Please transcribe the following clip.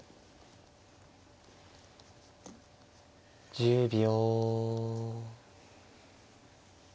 １０秒。